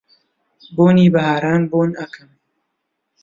بۆنی بەهاران بۆن ئەکەم